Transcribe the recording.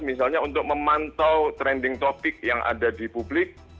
misalnya untuk memantau trending topic yang ada di publik